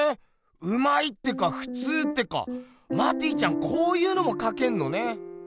うまいってかふつうってかマティちゃんこういうのもかけんのね。